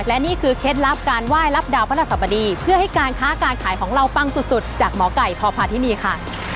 และนี่คือเคล็ดลับการไหว้รับดาวพระราชสบดีเพื่อให้การค้าการขายของเราปังสุดจากหมอไก่พพาธินีค่ะ